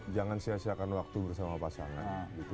jangan sia siakan waktu bersama pasangan